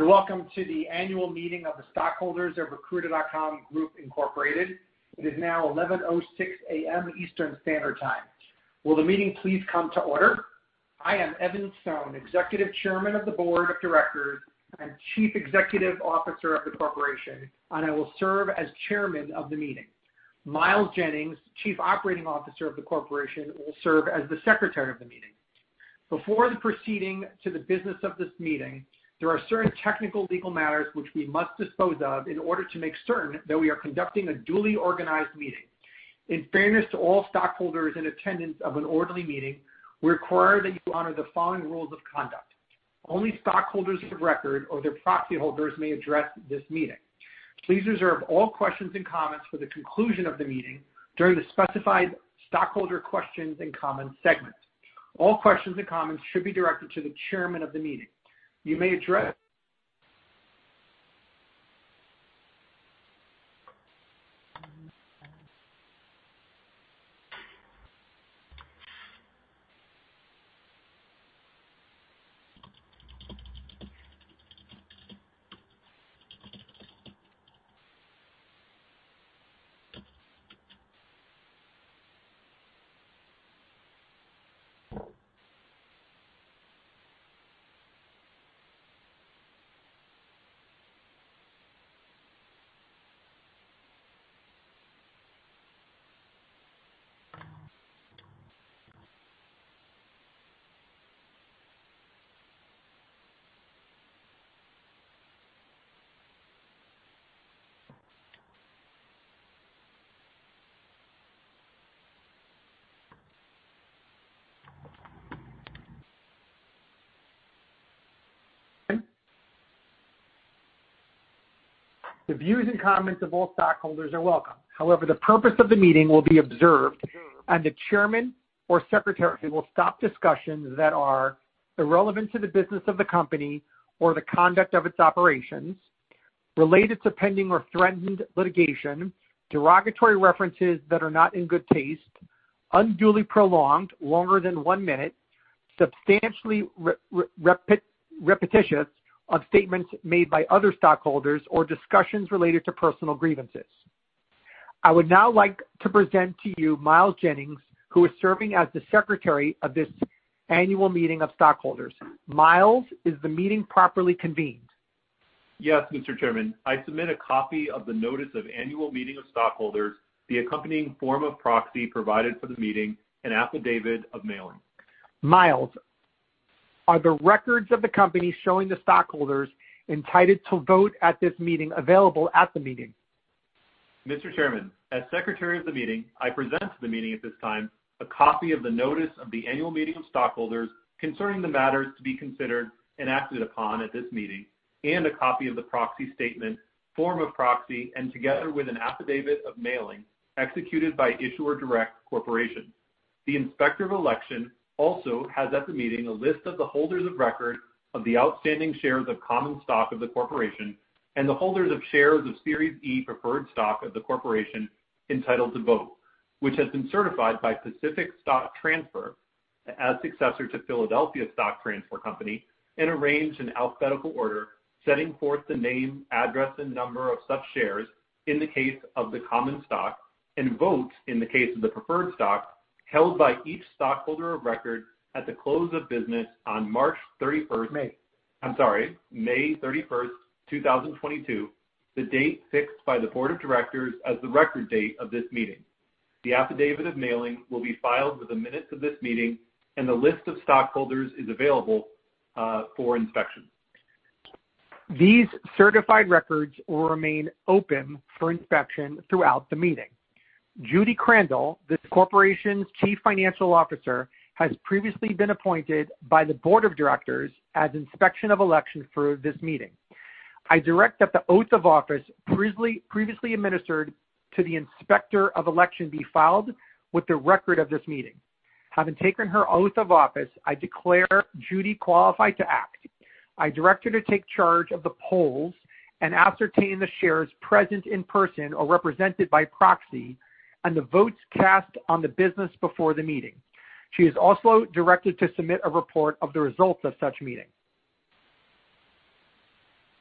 Welcome to the annual meeting of the stockholders of Recruiter.com Group, Inc. It is now 11:06 A.M. Eastern Standard Time. Will the meeting please come to order? I am Evan Sohn, Executive Chairman of the Board of Directors and Chief Executive Officer of the Corporation, and I will serve as chairman of the meeting. Miles Jennings, Chief Operating Officer of the corporation, will serve as the secretary of the meeting. Before the proceeding to the business of this meeting, there are certain technical legal matters which we must dispose of in order to make certain that we are conducting a duly organized meeting. In fairness to all stockholders in attendance of an orderly meeting, we require that you honor the following rules of conduct. Only stockholders of record or their proxy holders may address this meeting. Please reserve all questions and comments for the conclusion of the meeting during the specified stockholder questions and comments segment. All questions and comments should be directed to the chairman of the meeting. The views and comments of all stockholders are welcome. However, the purpose of the meeting will be observed, and the chairman or secretary will stop discussions that are irrelevant to the business of the company or the conduct of its operations, related to pending or threatened litigation, derogatory references that are not in good taste, unduly prolonged longer than one minute, substantially repetitious of statements made by other stockholders or discussions related to personal grievances. I would now like to present to you Miles Jennings, who is serving as the secretary of this annual meeting of stockholders. Miles, is the meeting properly convened? Yes, Mr. Chairman. I submit a copy of the notice of annual meeting of stockholders, the accompanying form of proxy provided for the meeting, an affidavit of mailing. Miles, are the records of the company showing the stockholders entitled to vote at this meeting available at the meeting? Mr. Chairman, as secretary of the meeting, I present to the meeting at this time a copy of the notice of the annual meeting of stockholders concerning the matters to be considered and acted upon at this meeting, and a copy of the proxy statement, form of proxy, and together with an affidavit of mailing executed by Issuer Direct Corporation. The inspector of election also has at the meeting a list of the holders of record of the outstanding shares of common stock of the corporation and the holders of shares of Series E preferred stock of the corporation entitled to vote, which has been certified by Pacific Stock Transfer Company as successor to Philadelphia Stock Transfer, Inc. and arranged in alphabetical order, setting forth the name, address, and number of such shares in the case of the common stock and votes in the case of the preferred stock held by each stockholder of record at the close of business on March 31st. May. I'm sorry. May 31st,2022, the date fixed by the board of directors as the record date of this meeting. The affidavit of mailing will be filed with the minutes of this meeting, and the list of stockholders is available for inspection. These certified records will remain open for inspection throughout the meeting. Judy Krandel, this corporation's Chief Financial Officer, has previously been appointed by the board of directors as inspector of election for this meeting. I direct that the oath of office previously administered to the inspector of election be filed with the record of this meeting. Having taken her oath of office, I declare Judy qualified to act. I direct her to take charge of the polls and ascertain the shares present in person or represented by proxy and the votes cast on the business before the meeting. She is also directed to submit a report of the results of such meeting.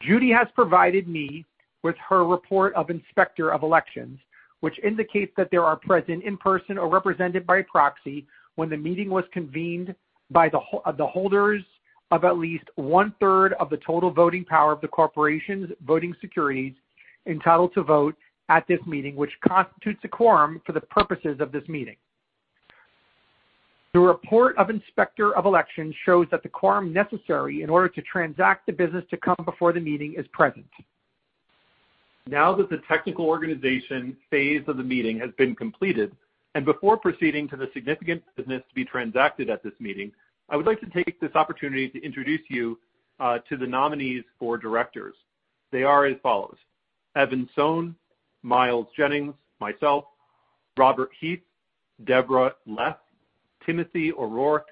Judy has provided me with her report of inspector of elections, which indicates that there are present in person or represented by proxy when the meeting was convened by the holders of at least 1/3 of the total voting power of the corporation's voting securities entitled to vote at this meeting, which constitutes a quorum for the purposes of this meeting. The report of inspector of elections shows that the quorum necessary in order to transact the business to come before the meeting is present. Now that the technical organization phase of the meeting has been completed, and before proceeding to the significant business to be transacted at this meeting, I would like to take this opportunity to introduce you to the nominees for directors. They are as follows. Evan Sohn, Miles Jennings, myself, Robert Heath, Deborah Leff, Timothy O'Rourke,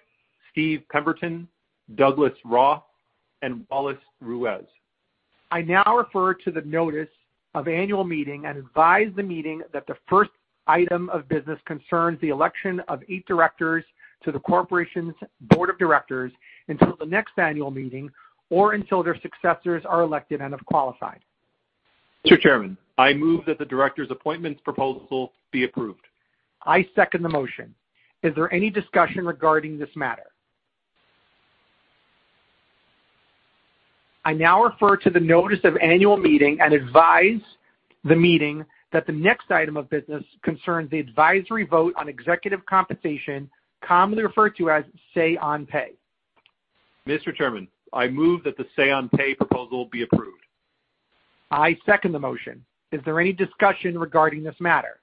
Steve Pemberton, Douglas Roth, and Wallace Ruiz. I now refer to the notice of annual meeting and advise the meeting that the first item of business concerns the election of eight directors to the corporation's board of directors until the next annual meeting or until their successors are elected and have qualified. Mr. Chairman, I move that the directors appointments proposal be approved. I second the motion. Is there any discussion regarding this matter? I now refer to the notice of annual meeting and advise the meeting that the next item of business concerns the advisory vote on executive compensation, commonly referred to as say on pay. Mr. Chairman, I move that the say on pay proposal be approved. I second the motion. Is there any discussion regarding this matter?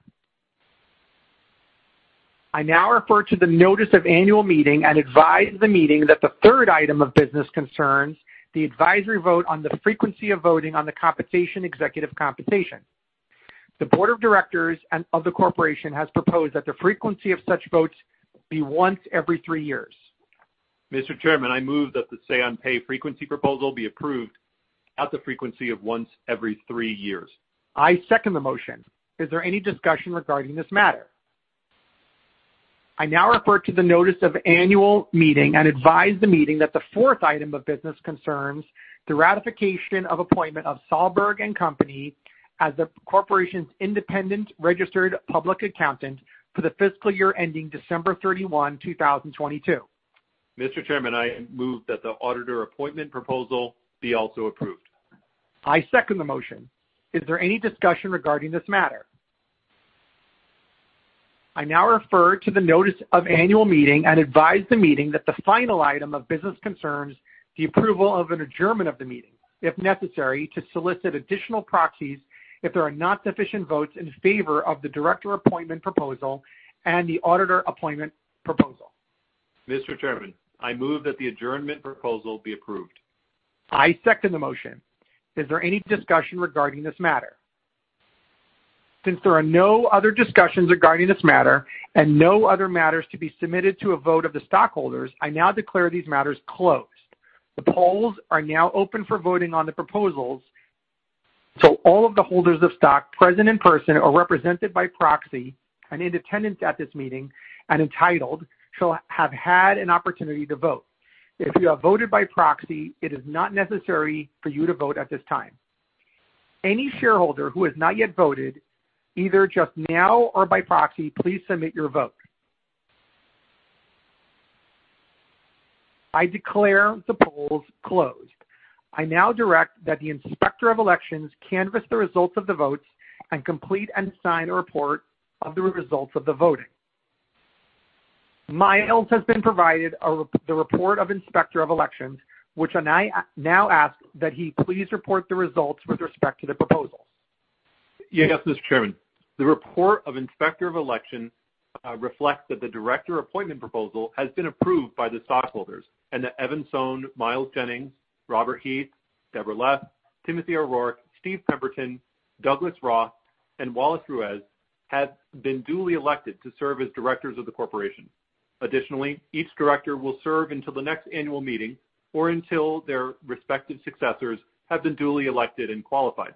I now refer to the notice of annual meeting and advise the meeting that the third item of business concerns the advisory vote on the frequency of voting on executive compensation. The board of directors of the corporation has proposed that the frequency of such votes be once every three years. Mr. Chairman, I move that the say on pay frequency proposal be approved at the frequency of once every three years. I second the motion. Is there any discussion regarding this matter? I now refer to the notice of annual meeting and advise the meeting that the fourth item of business concerns the ratification of appointment of Salberg & Company as the corporation's independent registered public accountant for the fiscal year ending December 31, 2022. Mr. Chairman, I move that the auditor appointment proposal be also approved. I second the motion. Is there any discussion regarding this matter? I now refer to the notice of annual meeting and advise the meeting that the final item of business concerns the approval of an adjournment of the meeting, if necessary, to solicit additional proxies if there are not sufficient votes in favor of the director appointment proposal and the auditor appointment proposal. Mr. Chairman, I move that the adjournment proposal be approved. I second the motion. Is there any discussion regarding this matter? Since there are no other discussions regarding this matter and no other matters to be submitted to a vote of the stockholders, I now declare these matters closed. The polls are now open for voting on the proposals. All of the holders of stock present in person are represented by proxy and in attendance at this meeting and entitled shall have had an opportunity to vote. If you have voted by proxy, it is not necessary for you to vote at this time. Any shareholder who has not yet voted, either just now or by proxy, please submit your vote. I declare the polls closed. I now direct that the inspector of elections canvass the results of the votes and complete and sign a report of the results of the voting. Miles has been provided the report of Inspector of Elections, which I now ask that he please report the results with respect to the proposals. Yes, Mr. Chairman. The report of inspector of election reflects that the director appointment proposal has been approved by the stockholders and that Evan Sohn, Miles Jennings, Robert H. Heath, Deborah Leff, Tim O'Rourke, Steve Pemberton, Douglas Roth, and Wallace D. Ruiz have been duly elected to serve as directors of the corporation. Additionally, each director will serve until the next annual meeting or until their respective successors have been duly elected and qualified.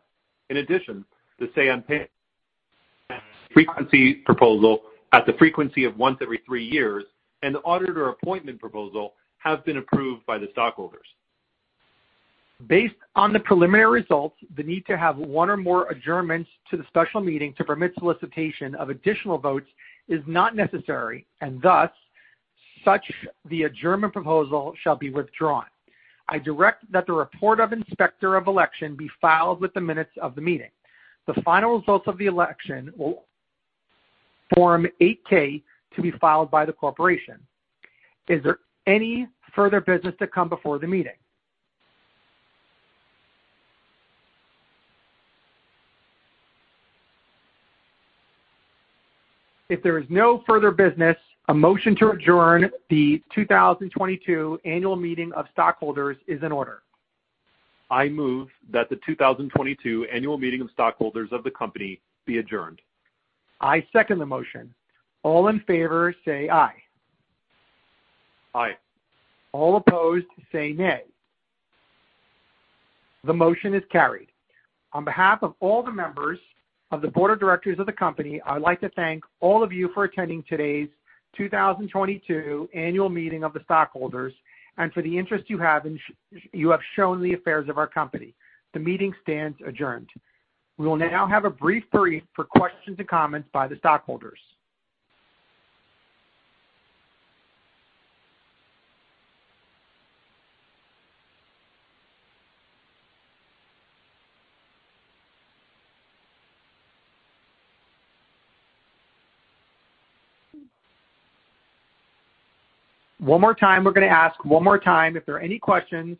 In addition, the say on pay frequency proposal at the frequency of once every three years and the auditor appointment proposal have been approved by the stockholders. Based on the preliminary results, the need to have one or more adjournments to the special meeting to permit solicitation of additional votes is not necessary, and thus such that the adjournment proposal shall be withdrawn. I direct that the report of Inspector of Election be filed with the minutes of the meeting. The final results of the election will be reported in a Form 8-K to be filed by the corporation. Is there any further business to come before the meeting? If there is no further business, a motion to adjourn the 2022 annual meeting of stockholders is in order. I move that the 2022 annual meeting of stockholders of the company be adjourned. I second the motion. All in favor say aye. Aye. All opposed say nay. The motion is carried. On behalf of all the members of the board of directors of the company, I'd like to thank all of you for attending today's 2022 annual meeting of the stockholders and for the interest you have shown the affairs of our company. The meeting stands adjourned. We will now have a brief for questions and comments by the stockholders. One more time. We're gonna ask one more time if there are any questions,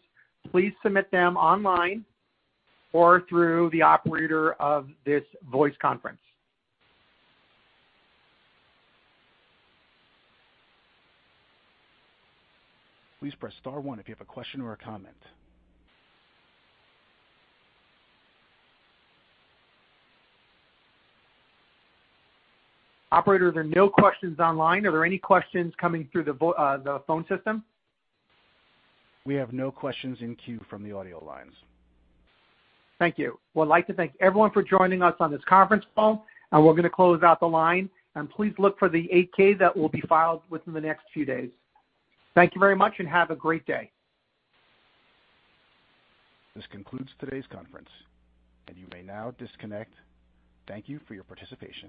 please submit them online or through the operator of this voice conference. Please press star one if you have a question or a comment. Operator, there are no questions online. Are there any questions coming through the phone system? We have no questions in queue from the audio lines. Thank you. Would like to thank everyone for joining us on this conference call. We're gonna close out the line. Please look for the Form 8-K that will be filed within the next few days. Thank you very much and have a great day. This concludes today's conference. You may now disconnect. Thank you for your participation.